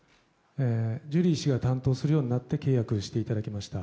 ジュリー氏が担当するようになって契約していただきました。